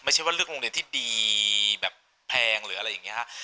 ไม่ใช่ว่าเลือกโรงเรียนที่ดีแบบแพงหรืออะไรอย่างนี้ฮะ